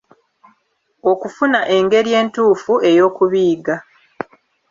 Okufuna engeri entuufu ey'okubiyiga .